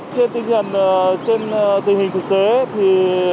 trên tình hình thực tế thì